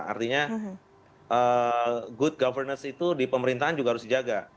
artinya good governance itu di pemerintahan juga harus dijaga